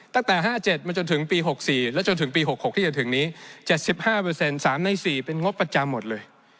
ตั้งแต่๕๗มาจนถึงปี๖๔และจนถึงปี๖๖ที่จะถึงนี้๗๕๓ใน๔เป็นงบประจำหมดเลย